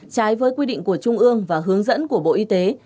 trái với quy định của trung ương và hướng dẫn của bộ y tế